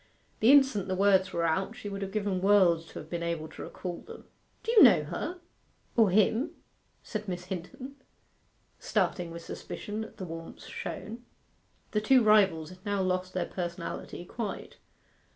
The instant the words were out she would have given worlds to have been able to recall them. 'Do you know her or him?' said Miss Hinton, starting with suspicion at the warmth shown. The two rivals had now lost their personality quite.